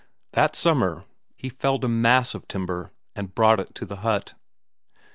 That summer he felled a mass of timber, and brought it to the hut.